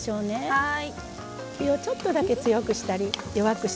はい。